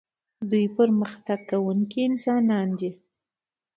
دوی پرمختګ کوونکي انسانان وي.